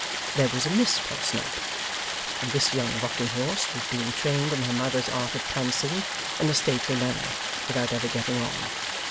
There was a Miss Podsnap. And this young rocking horse was being trained in her mother's art of prancing in a stately manner without ever getting on.